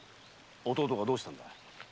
弟がどうしたんだ？